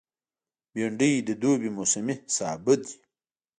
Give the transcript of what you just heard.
بېنډۍ د دوبي موسمي سابه دی